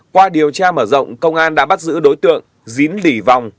qua điều tra mở rộng công an đã bắt giữ đối tượng